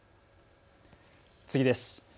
次です。